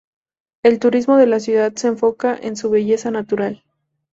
El turismo de la ciudad se enfoca en su belleza natural.